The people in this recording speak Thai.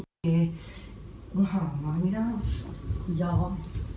ขอบคุณครับให้รู้สึกดี